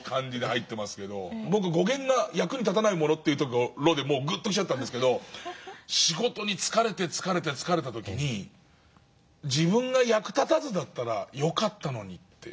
語源が「役に立たないもの」というところでグッときたんですけど仕事に疲れて疲れて疲れた時に「自分が役立たずだったらよかったのに」って。